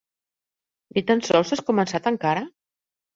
Ni tan sols has començat encara?